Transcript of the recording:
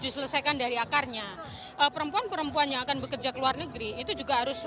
diselesaikan dari akarnya perempuan perempuan yang akan bekerja ke luar negeri itu juga harus